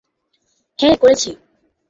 হ্যাঁ, করেছি।